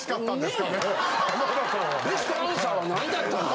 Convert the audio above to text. ベストアンサーは何だったんだ？